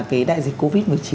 cái đại dịch covid một mươi chín